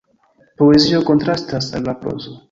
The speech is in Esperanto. Poezio kontrastas al la prozo.